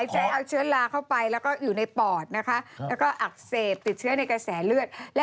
ใช้เอาเชื้อลาเข้าไปแล้วก็อยู่ในปอดนะคะ